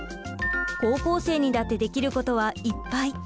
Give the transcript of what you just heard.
高校生にだってできることはいっぱい。